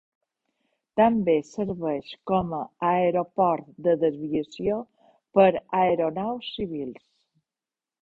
També serveix com a aeroport de desviació per a aeronaus civils.